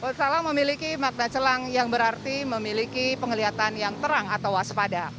pesawat memiliki makna celang yang berarti memiliki penglihatan yang terang atau waspada